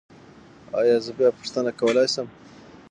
ایا زه بیا پوښتنه کولی شم؟